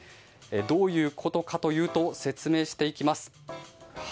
どういうことかというと説明していきます。